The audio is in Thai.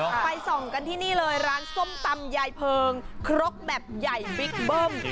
ไปส่องกันที่นี่เลยร้านส้มตำยายเพิงครกแบบใหญ่บิ๊กเบิ้ม